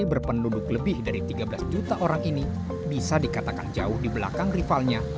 berpenduduk lebih dari tiga belas juta orang ini bisa dikatakan jauh di belakang rivalnya